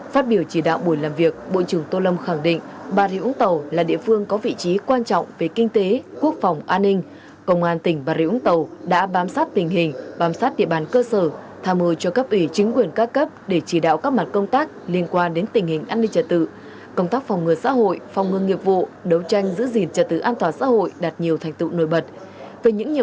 phát biểu tại buổi làm việc bộ trưởng tô lâm đánh giá cao công tác chuẩn bị và nội dung tự kiểm tra những việc đã làm được chưa làm được những ưu điểm hạn chế khuyết điểm hạn chế khuyết điểm hạn chế khuyết điểm hạn chế khuyết điểm hạn chế